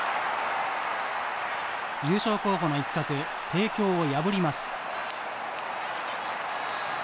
優勝候補の一角帝京を破ります。